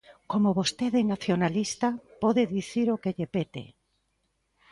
¡Como vostede é nacionalista, pode dicir o que lle pete!